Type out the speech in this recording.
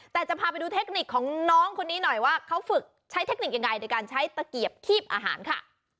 แต่จะพาไปดูเทคนิคของน้องคนนี้หน่อยว่าเขาฝึกใช้เทคนิคยังไงในการใช้ตะเกียบคีบอาหารค่ะ